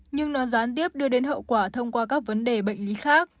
nhưng nó gián tiếp đưa đến hậu quả thông qua các vấn đề bệnh lý khác